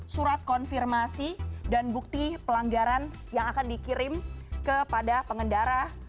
surat konfirmasi dan bukti pelanggaran yang akan dikirim kepada pengendara